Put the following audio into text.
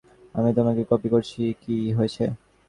হ্যা, নেইট, তোমাকে শুনতে পাচ্ছি আমি তোমাকে কপি করছি কি হয়েছে?